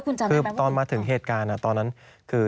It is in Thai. คือตอนมาถึงเหตุการณ์ตอนนั้นคือ